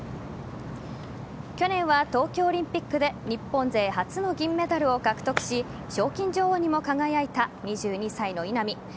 去年は東京オリンピックで日本勢初の銀メダルを獲得し賞金女王にも輝いた２２歳の稲見。